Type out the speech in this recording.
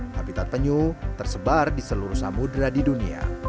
habitat penyu tersebar di seluruh samudera di dunia